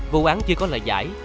vụ án chưa có lời giải